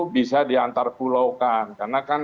bisa diantar pulaukan karena kan